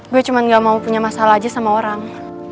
gue cuma gak mau punya masalah aja sama orang